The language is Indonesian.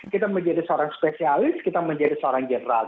kita menjadi seorang spesialis kita menjadi seorang general